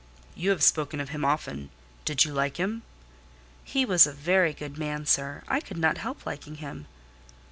"You have spoken of him often: do you like him?" "He was a very good man, sir; I could not help liking him."